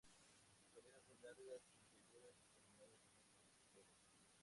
Sus orejas son largas, puntiagudas y terminadas en pinceles.